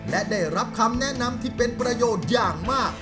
และได้รับคำแนะนำที่เป็นประโยชน์อย่างมาก